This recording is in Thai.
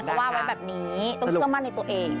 เขาว่าไว้แบบนี้ต้องเชื่อมั่นในตัวเอง